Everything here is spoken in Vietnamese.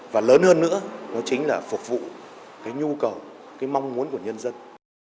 và lớn hơn nữa nó chính là phục vụ cái nhu cầu cái mong muốn của nhân dân